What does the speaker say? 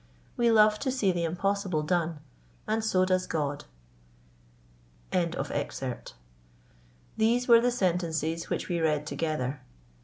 We love to see the impossible done, and so does God." These were the sentences which we read together.